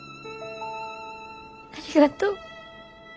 ありがとう。